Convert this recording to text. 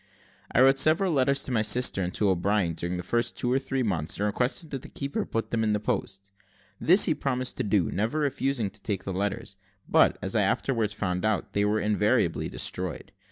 I wrote several letters to my sister and to O'Brien during the first two or three months, and requested the keeper to put them in the post. This he promised to do, never refusing to take the letters; but, as I afterwards found out, they were invariably destroyed.